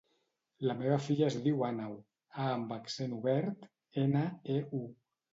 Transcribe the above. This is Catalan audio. La meva filla es diu Àneu: a amb accent obert, ena, e, u.